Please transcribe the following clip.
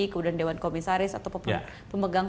kemudian dewan komisaris ataupun pemegang